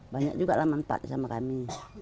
banyak juga lah manfaat sama kami